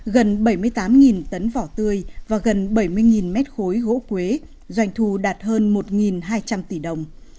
gần bảy mươi tám tấn vỏ tươi và gần bảy mươi mét khối gỗ quế doanh thu đạt hơn một hai trăm linh tỷ đồng